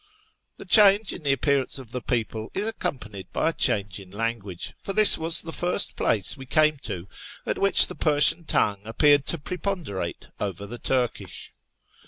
The change in the appearance of the people is accompanied by a change in language, for this was the first place we came to at which the Persian tongue appeared to preponderate over the Turkish.